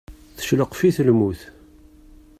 Teccelqef-it lmut.